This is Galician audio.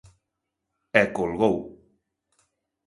E colgou.